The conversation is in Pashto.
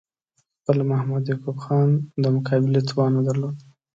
خپله محمد یعقوب خان د مقابلې توان نه لید.